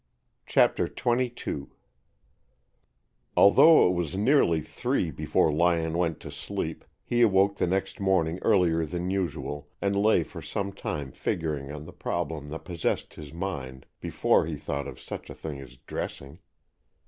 CHAPTER XXII Although it was nearly three before Lyon went to sleep, he awoke the next morning earlier than usual and lay for some time figuring on the problem that possessed his mind before he thought of such a thing as dressing.